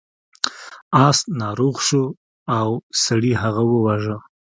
اس ناروغ شو او سړي هغه وواژه.